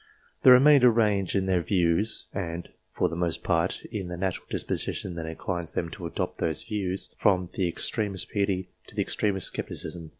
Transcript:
The remainder range in their views, and, for the most part, in the natural disposition that inclines them to adopt those views, from the extremest piety to the ex tremest scepticism.